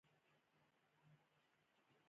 نه هم هغه ټاټ چې سوری و او اوبه ځنې را څاڅي.